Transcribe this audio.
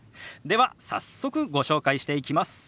では早速ご紹介していきます。